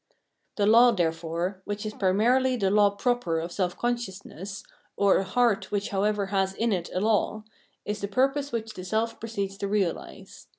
The law, therefore, which is primarily the law proper of self consciousness, or a "heart" which however has in it a law, is the purpose which the self proceeds to reahse.